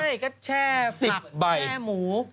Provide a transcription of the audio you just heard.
ใช่ก็แช่ผักแช่หมู๑๐ใบ